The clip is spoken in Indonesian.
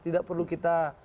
tidak perlu kita